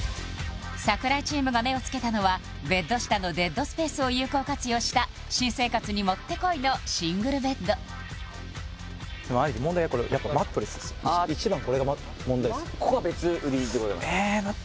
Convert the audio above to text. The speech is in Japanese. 櫻井チームが目をつけたのはベッド下のデッドスペースを有効活用した新生活にもってこいのシングルベッドでもあえて問題はこれやっぱマットレスですよ一番これが問題っす